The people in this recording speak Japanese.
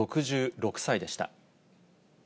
６６歳でした。